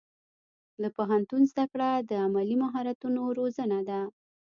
د پوهنتون زده کړه د عملي مهارتونو روزنه ده.